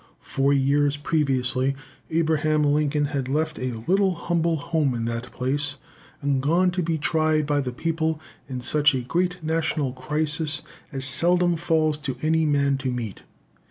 Four years previously, Abraham Lincoln had left a little humble home in that place, and gone to be tried by the people in such a great national crisis as seldom falls to any man to meet.